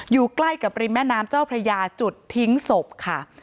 อยู่ใกล้กับริมแม่น้ำเจ้าพระยาจุดทิ้งศพค่ะ